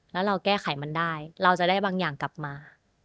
แล้วเราแก้ไขมันได้เราจะได้บางอย่างกลับมา